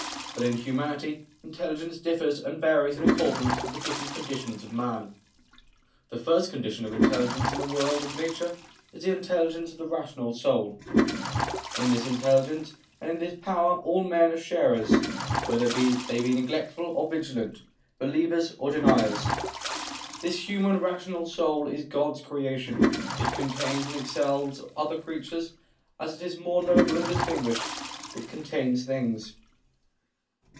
But in humanity, intelligence differs and varies in accordance with the different conditions of man. The first condition of intelligence in the world of nature is the intelligence of the rational soul. In this intelligence and in this power all men are sharers, whether they be neglectful or vigilant, believers or deniers. This human rational soul is God's creation; it contains and excels other creatures; as it is more noble and distinguished, it contains things.